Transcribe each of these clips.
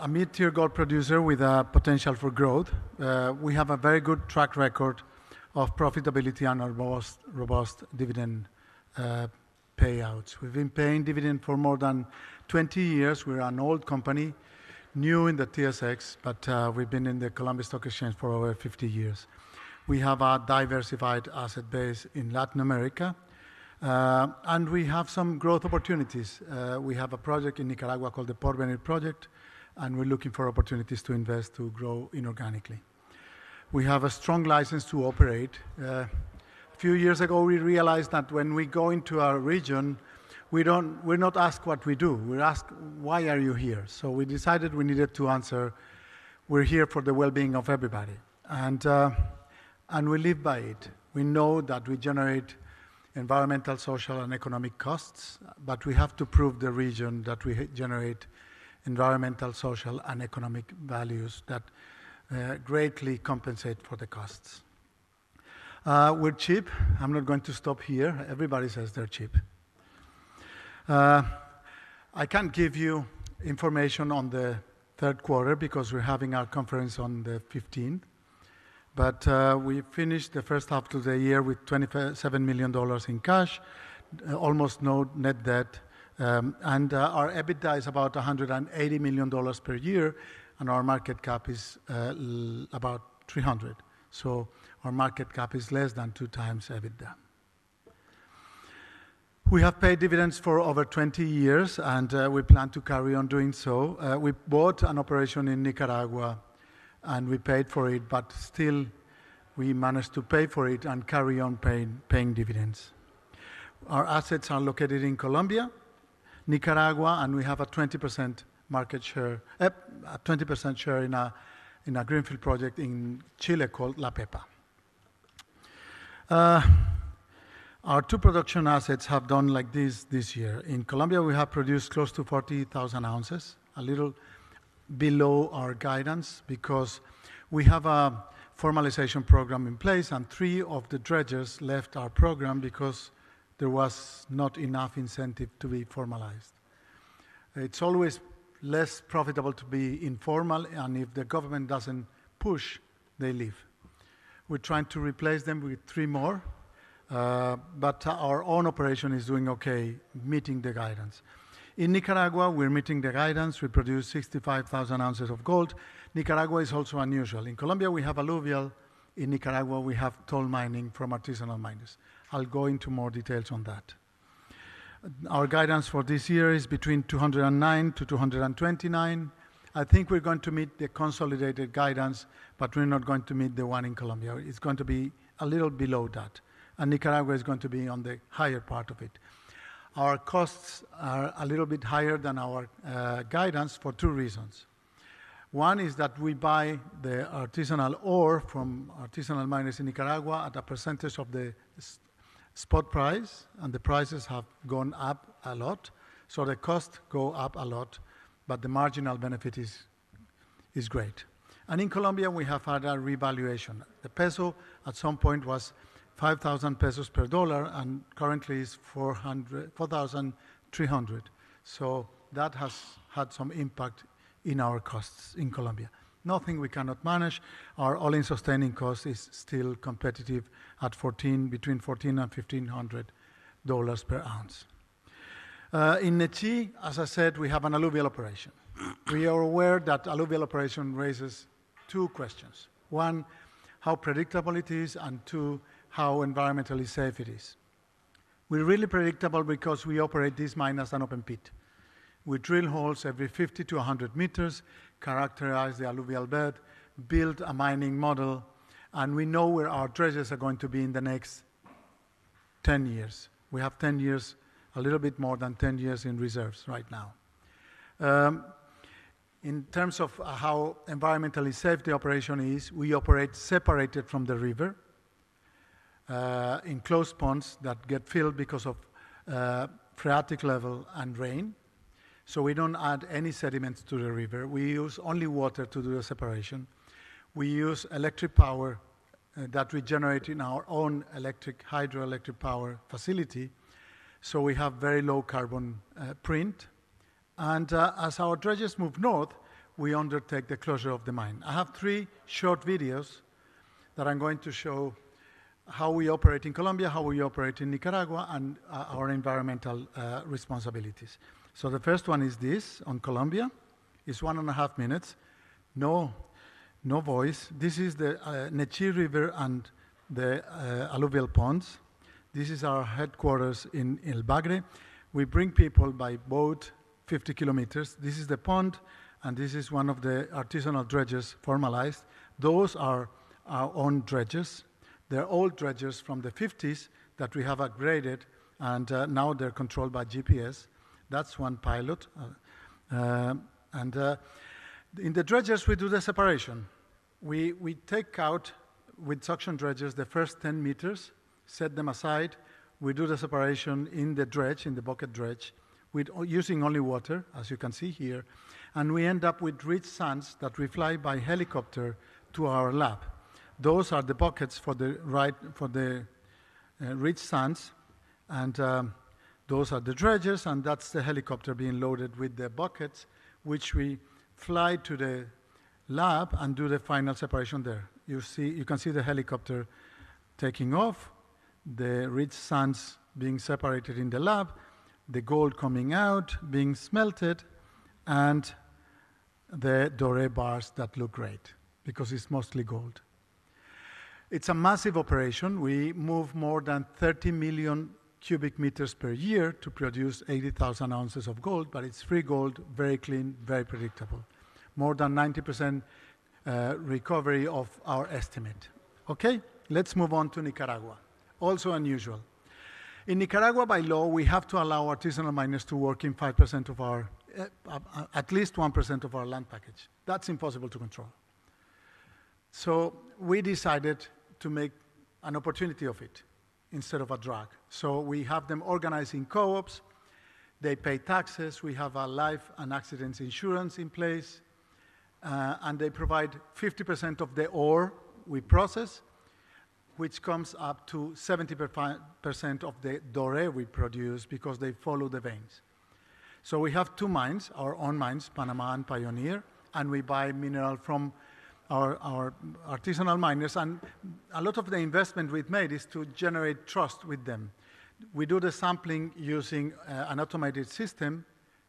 A mid-tier gold producer with potential for growth. We have a very good track record of profitability and robust dividend payouts. We've been paying dividend for more than 20 years. We're an old company, new in the TSX, but we've been in the Colombia Stock Exchange for over 50 years. We have a diversified asset base in Latin America, and we have some growth opportunities. We have a project in Nicaragua called the Porvenir Project, and we're looking for opportunities to invest to grow inorganically. We have a strong license to operate. A few years ago, we realized that when we go into our region, we're not asked what we do; we're asked, "Why are you here?" So we decided we needed to answer, "We're here for the well-being of everybody," and we live by it. We know that we generate environmental, social, and economic costs, but we have to prove to the region that we generate environmental, social, and economic values that greatly compensate for the costs. We're cheap. I'm not going to stop here. Everybody says they're cheap. I can't give you information on the third quarter because we're having our conference on the 15th, but we finished the first half of the year with $27 million in cash, almost no net debt, and our EBITDA is about $180 million per year, and our market cap is about $300. So our market cap is less than two times EBITDA. We have paid dividends for over 20 years, and we plan to carry on doing so. We bought an operation in Nicaragua, and we paid for it, but still we managed to pay for it and carry on paying dividends. Our assets are located in Colombia, Nicaragua, and we have a 20% market share in a greenfield project in Chile called La Pepa. Our two production assets have done like this this year. In Colombia, we have produced close to 40,000 ounces, a little below our guidance because we have a formalization program in place, and three of the dredgers left our program because there was not enough incentive to be formalized. It's always less profitable to be informal, and if the government doesn't push, they leave. We're trying to replace them with three more, but our own operation is doing okay, meeting the guidance. In Nicaragua, we're meeting the guidance. We produce 65,000 ounces of gold. Nicaragua is also unusual. In Colombia, we have alluvial. In Nicaragua, we have toll mining from artisanal miners. I'll go into more details on that. Our guidance for this year is between 209 to 229. I think we're going to meet the consolidated guidance, but we're not going to meet the one in Colombia. It's going to be a little below that, and Nicaragua is going to be on the higher part of it. Our costs are a little bit higher than our guidance for two reasons. One is that we buy the artisanal ore from artisanal miners in Nicaragua at a percentage of the spot price, and the prices have gone up a lot, so the costs go up a lot, but the marginal benefit is great. And in Colombia, we have had a revaluation. The peso at some point was COP 5,000 per dollar and currently is COP 4,300. So that has had some impact in our costs in Colombia. Nothing we cannot manage. Our all-in sustaining cost is still competitive at between $1,400 and $1,500 per ounce. In Nechí, as I said, we have an alluvial operation. We are aware that alluvial operation raises two questions. One, how predictable it is, and two, how environmentally safe it is. We're really predictable because we operate this mine as an open pit. We drill holes every 50-100 meters, characterize the alluvial bed, build a mining model, and we know where our treasures are going to be in the next 10 years. We have 10 years, a little bit more than 10 years in reserves right now. In terms of how environmentally safe the operation is, we operate separated from the river in closed ponds that get filled because of phreatic level and rain. So we don't add any sediments to the river. We use only water to do the separation. We use electric power that we generate in our own hydroelectric power facility, so we have very low carbon footprint, and as our dredgers move north, we undertake the closure of the mine. I have three short videos that I'm going to show how we operate in Colombia, how we operate in Nicaragua, and our environmental responsibilities, so the first one is this on Colombia. It's one and a half minutes. No voice. This is the Nechí River and the alluvial ponds. This is our headquarters in El Bagre. We bring people by boat 50 km. This is the pond, and this is one of the artisanal dredgers formalized. Those are our own dredgers. They're old dredgers from the '50s that we have upgraded, and now they're controlled by GPS. That's one pilot, and in the dredgers, we do the separation. We take out with suction dredgers the first 10 meters, set them aside. We do the separation in the dredge, in the bucket dredge, using only water, as you can see here, and we end up with rich sands that we fly by helicopter to our lab. Those are the buckets for the rich sands, and those are the dredgers, and that's the helicopter being loaded with the buckets, which we fly to the lab and do the final separation there. You can see the helicopter taking off, the rich sands being separated in the lab, the gold coming out, being smelted, and the doré bars that look great because it's mostly gold. It's a massive operation. We move more than 30 million cubic meters per year to produce 80,000 ounces of gold, but it's free gold, very clean, very predictable. More than 90% recovery of our estimate. Okay, let's move on to Nicaragua. Also unusual. In Nicaragua, by law, we have to allow artisanal miners to work in 5% of our, at least 1% of our land package. That's impossible to control. So we decided to make an opportunity of it instead of a drag. So we have them organized in co-ops. They pay taxes. We have a life and accident insurance in place, and they provide 50% of the ore we process, which comes up to 70% of the doré we produce because they follow the veins. So we have two mines, our own mines, Panama and Pioneer, and we buy mineral from our artisanal miners, and a lot of the investment we've made is to generate trust with them. We do the sampling using an automated system,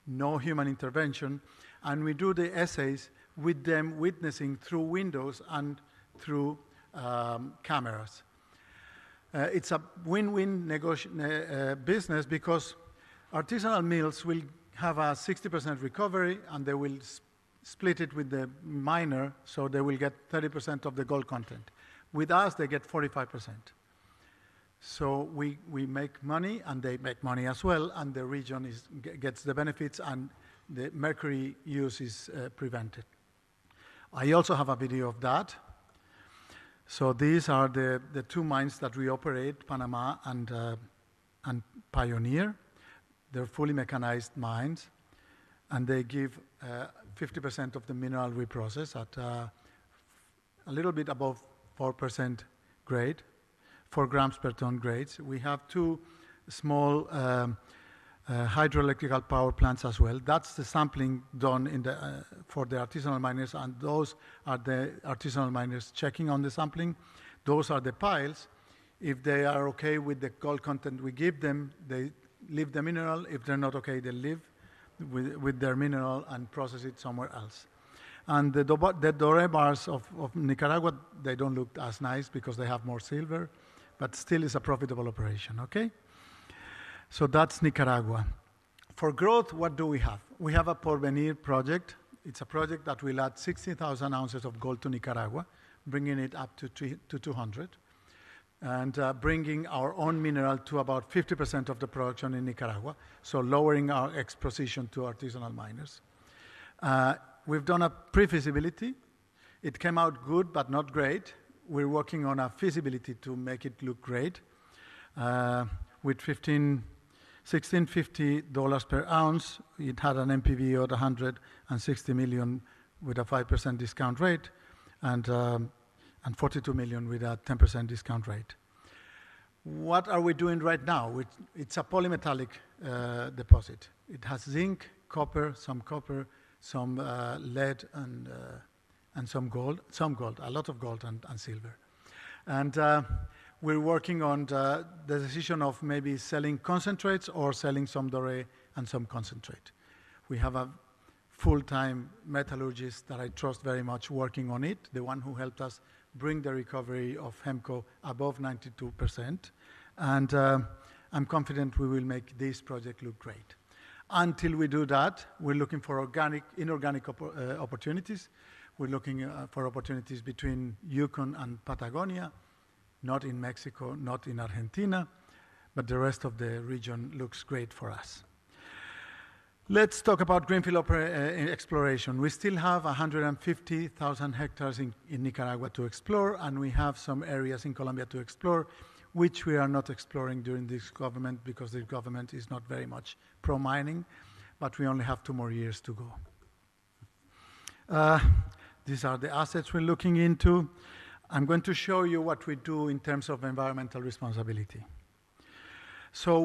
no human intervention, and we do the assays with them witnessing through windows and through cameras. It's a win-win business because artisanal mills will have a 60% recovery, and they will split it with the miner, so they will get 30% of the gold content. With us, they get 45%. So we make money, and they make money as well, and the region gets the benefits, and the mercury use is prevented. I also have a video of that. So these are the two mines that we operate, Panama and Pioneer. They're fully mechanized mines, and they give 50% of the mineral we process at a little bit above 4% grade, 4 grams per ton grades. We have two small hydroelectric power plants as well. That's the sampling done for the artisanal miners, and those are the artisanal miners checking on the sampling. Those are the piles. If they are okay with the gold content we give them, they leave the mineral. If they're not okay, they leave with their mineral and process it somewhere else, and the doré bars of Nicaragua don't look as nice because they have more silver, but still it's a profitable operation. Okay? That's Nicaragua. For growth, what do we have? We have a Porvenir Project. It's a project that will add 60,000 ounces of gold to Nicaragua, bringing it up to 200, and bringing our own mineral to about 50% of the production in Nicaragua, so lowering our exposure to artisanal miners. We've done a pre-feasibility. It came out good, but not great. We're working on a feasibility to make it look great. With $1,650 per ounce, it had an NPV of 160 million with a 5% discount rate and 42 million with a 10% discount rate. What are we doing right now? It's a polymetallic deposit. It has zinc, copper, some lead, and some gold, a lot of gold and silver, and we're working on the decision of maybe selling concentrates or selling some doré and some concentrate. We have a full-time metallurgist that I trust very much working on it, the one who helped us bring the recovery of Hemco above 92%, and I'm confident we will make this project look great. Until we do that, we're looking for inorganic opportunities. We're looking for opportunities between Yukon and Patagonia, not in Mexico, not in Argentina, but the rest of the region looks great for us. Let's talk about greenfield exploration. We still have 150,000 hectares in Nicaragua to explore, and we have some areas in Colombia to explore, which we are not exploring during this government because the government is not very much pro-mining, but we only have two more years to go. These are the assets we're looking into. I'm going to show you what we do in terms of environmental responsibility, so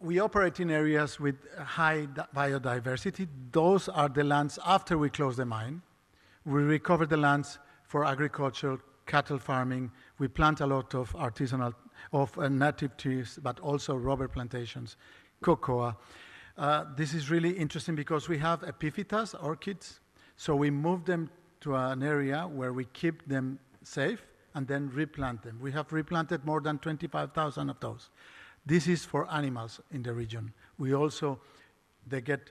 we operate in areas with high biodiversity. Those are the lands after we close the mine. We recover the lands for agriculture, cattle farming. We plant a lot of native trees, but also rubber plantations, cocoa. This is really interesting because we have epiphytes, orchids, so we move them to an area where we keep them safe and then replant them. We have replanted more than 25,000 of those. This is for animals in the region. They get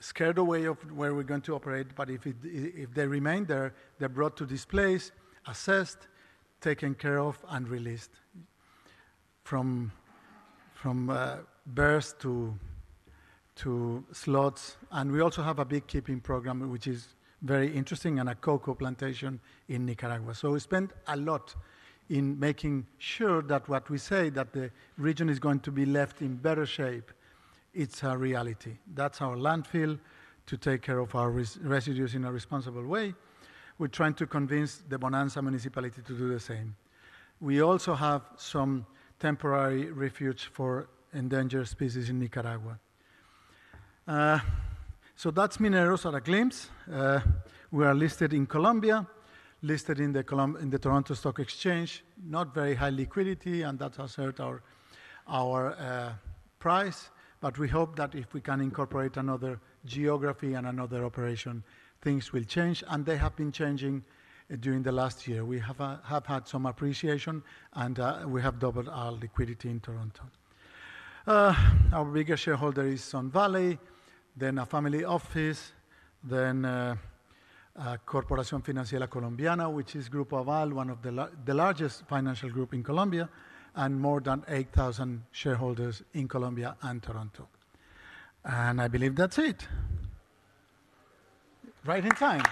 scared away of where we're going to operate, but if they remain there, they're brought to this place, assessed, taken care of, and released from the bush to the wild, and we also have a beekeeping program, which is very interesting, and a cocoa plantation in Nicaragua. So we spend a lot in making sure that what we say, that the region is going to be left in better shape, it's a reality. That's our landfill to take care of our residues in a responsible way. We're trying to convince the Bonanza municipality to do the same. We also have some temporary refuge for endangered species in Nicaragua. So that's Mineros S.A. at a glimpse. We are listed in Colombia, listed in the Toronto Stock Exchange, not very high liquidity, and that has hurt our price, but we hope that if we can incorporate another geography and another operation, things will change, and they have been changing during the last year. We have had some appreciation, and we have doubled our liquidity in Toronto. Our biggest shareholder is Sun Valley, then a family office, then Corporación Financiera Colombiana, which is Grupo Aval, one of the largest financial groups in Colombia, and more than 8,000 shareholders in Colombia and Toronto. I believe that's it. Right in time.